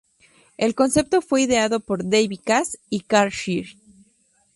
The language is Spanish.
El concepto fue ideado por David Cass y Karl Shell.